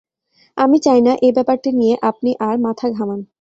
আমি চাই না এ-ব্যাপারটি নিয়ে আপনি আর মাথা ঘামান।